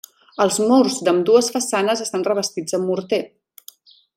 Els murs d'ambdues façanes estan revestits amb morter.